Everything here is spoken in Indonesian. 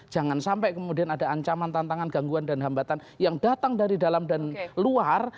jangan sampai kemudian ada ancaman tantangan gangguan dan hambatan yang datang dari dalam dan luar